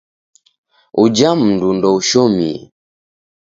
Uja mndu ndoushomie.